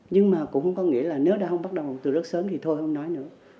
nhưng mà cũng không có nghĩa là nếu đã không bắt đầu từ rất sớm thì thôi không nói nữa